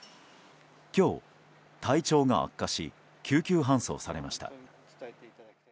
今日、体調が悪化し救急搬送されました。